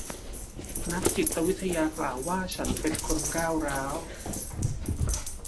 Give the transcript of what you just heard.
นักจิตวิทยากล่าวว่าฉันเป็นคนก้าวร้าว